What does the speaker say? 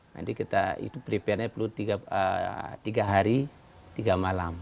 nanti kita itu prepare nya perlu tiga hari tiga malam